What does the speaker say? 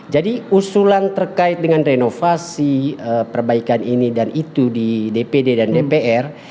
jadi usulan terkait dengan renovasi perbaikan ini dan itu di dpd dan dpr